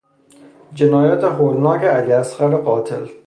جنایات هولناک علی اصغر قاتل